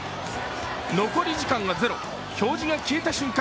残り時間がゼロ、表示が消えた瞬間